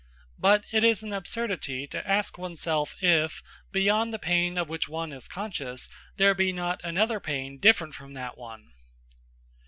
But it is an absurdity to ask one's self if, beyond the pain of which one is conscious, there be not another pain different from that one."